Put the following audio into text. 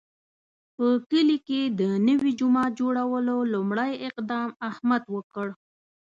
په کلي کې د نوي جومات جوړولو لومړی اقدام احمد وکړ.